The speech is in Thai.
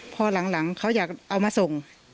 พอหลังเขาอยากเอามาส่ง